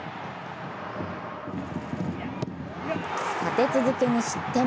立て続けに失点。